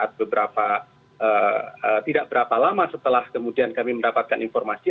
beberapa tidak berapa lama setelah kemudian kami mendapatkan informasi